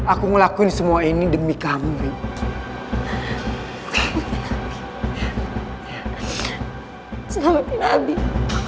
aku ngelakuin semua ini demi kamu wih